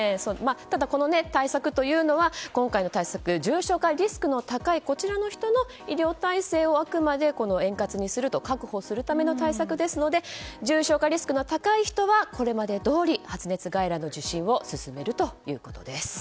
ただ、この今回の対策は重症化リスクの高い人の医療体制をあくまで円滑にする確保するための対策ですので重症化リスクの高い人はこれまでどおり発熱外来の受診を勧めるということです。